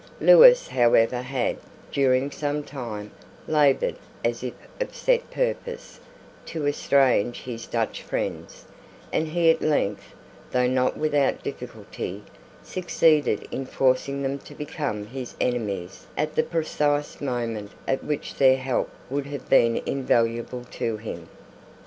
Lewis however had, during some time, laboured, as if of set purpose, to estrange his Dutch friends; and he at length, though not without difficulty, succeeded in forcing them to become his enemies at the precise moment at which their help would have been invaluable to him.